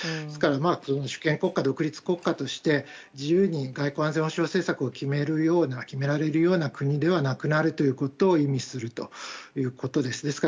ですから君主国家独立国家として自由に外交・安全保障政策を決められるような国ではなくなるということを意味するということですね。